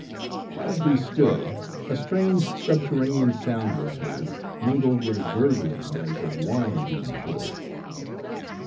As we stood, a strange subterranean sound was heard, mingled with a gurgling as of wine being poured.